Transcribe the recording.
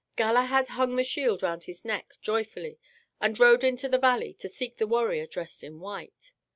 Galahad hung the shield round his neck joyfully, and rode into the valley to seek the warrior dressed in white.